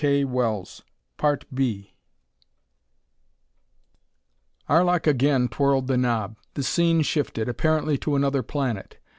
Arlok again twirled the knob. The scene shifted, apparently to another planet.